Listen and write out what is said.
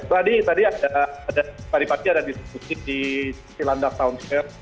tadi ada tadi tadi ada disiputi di cilandar townshare